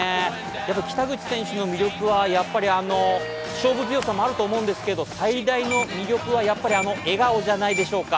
やっぱり北口選手の魅力は勝負強さもあると思うんですけど、最大の魅力はやっぱりあの笑顔じゃないでしょうか。